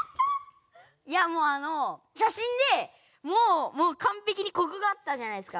いやもうあの写真でもうかんぺきにここがあったじゃないですか。